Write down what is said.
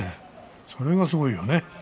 それはすごいよね。